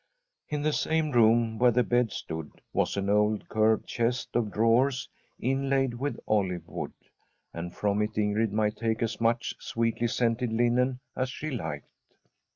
In the same room where the bed stood was an old curved chest of drawers inlaid with olive wood, and from it Ingrid might take as much sweetly scented linen as she Hked.